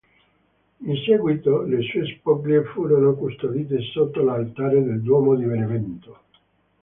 In seguito, le sue spoglie furono custodite sotto l'altare del duomo di Benevento.